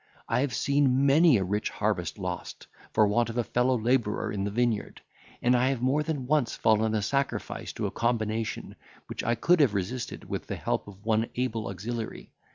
I have seen many a rich harvest lost, for want of a fellow labourer in the vineyard; and I have more than once fallen a sacrifice to a combination, which I could have resisted with the help of one able auxiliary.